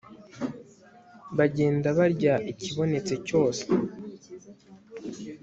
bagenda barya ikibonetse cyose